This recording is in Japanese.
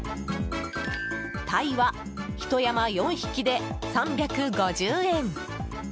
タイは、ひと山４匹で３５０円！